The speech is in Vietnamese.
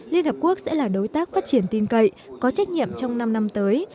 liên hợp quốc sẽ là đối tác phát triển tin cậy có trách nhiệm trong năm năm tới